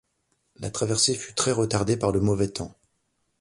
La traversée fut très retardée par le mauvais temps.